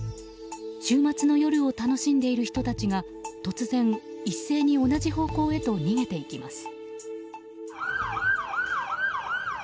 週末の夜を楽しんでいる人たちが突然、一斉に同じ方向へと逃げていきます。